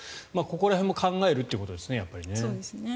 ここら辺も考えるということですね。